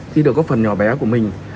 khi được có phần nhỏ bé của mình